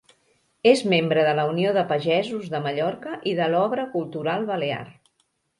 És membre de la Unió de Pagesos de Mallorca i de l'Obra Cultural Balear.